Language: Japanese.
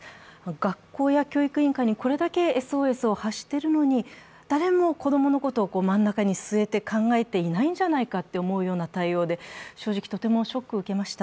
学校や教育委員会にこれだけＳＯＳを発しているのに誰も子供のことを真ん中に据えて考えていないんじゃないかという対応で正直とてもショックを受けました。